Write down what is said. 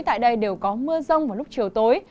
tại đây đều có mưa rông vào lúc chiều tối